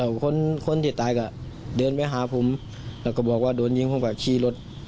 แล้วคนคนที่ตายก็เดินไปหาผมแล้วก็บอกว่าโดนยิงผมก็ขี่รถ